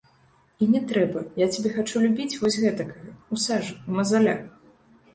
І не трэба, я цябе хачу любіць вось гэтакага, у сажы, у мазалях!